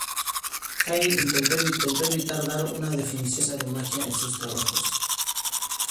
Hine intentó evitar dar una definición concisa de magia en sus trabajos.